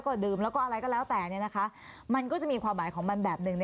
ก็อยู่สองสามเรื่อง